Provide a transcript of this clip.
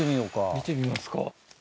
見てみますか。